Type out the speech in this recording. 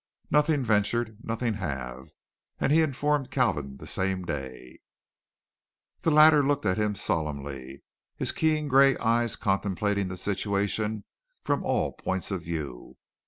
"Nothing venture, nothing have," and he informed Kalvin the same day. The latter looked at him solemnly, his keen gray eyes contemplating the situation from all points of view.